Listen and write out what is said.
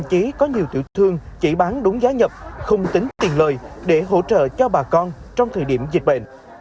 chỉ có nhiều tiểu thương chỉ bán đúng giá nhập không tính tiền lời để hỗ trợ cho bà con trong thời điểm dịch bệnh